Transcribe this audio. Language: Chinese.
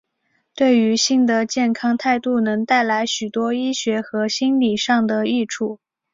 对于性的健康态度能带来许多医学和心里上的益处。